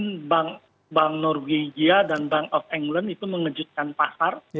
kemudian bank norwegia dan bank of england itu mengejutkan pasar